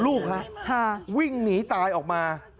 ลูกฮะวิ่งหนีตายออกมา